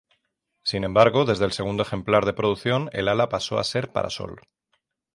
Sin embargo, desde el segundo ejemplar de producción el ala pasó a ser parasol.